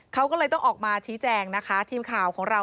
เขาก็เลยต้องออกมาชี้แจงนะคะทีมข่าวของเรา